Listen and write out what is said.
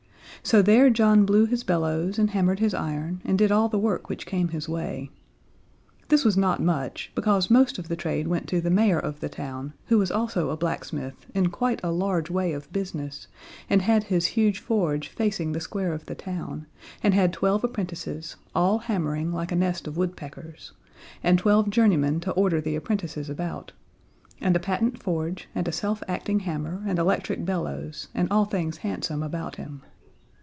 So there John blew his bellows and hammered his iron and did all the work which came his way. This was not much, because most of the trade went to the mayor of the town, who was also a blacksmith in quite a large way of business, and had his huge forge facing the square of the town, and had twelve apprentices, all hammering like a nest of woodpeckers, and twelve journeymen to order the apprentices about, and a patent forge and a self acting hammer and electric bellows, and all things handsome about him.